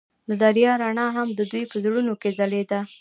د دریا رڼا هم د دوی په زړونو کې ځلېده.